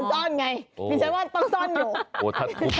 ซ่อนไงดิฉันว่าต้องซ่อนอยู่